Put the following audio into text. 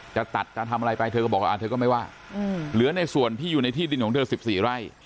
จะตัดจะทำอะไรไปเธอก็บอกว่าเธอก็ไม่ว่าเหลือในส่วนที่อยู่ในที่ดินของเธอ๑๔ไร่